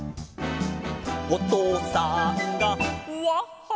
「おとうさんがワッハッハ」